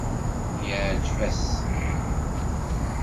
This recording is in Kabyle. Yeɛjeb-as.